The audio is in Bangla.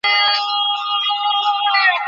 জোন্স নামে একজন আহত হন।